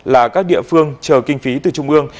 là các địa phương chờ kinh phí từ trung ương